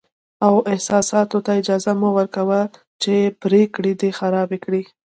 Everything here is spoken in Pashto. او احساساتو ته اجازه مه ورکوه چې پرېکړې دې خرابې کړي.